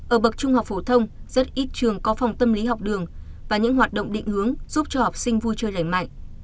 ở bậc trung học phổ thông rất ít trường có phòng tâm lý học đường và những hoạt động định hướng giúp cho học sinh vui chơi lành mạnh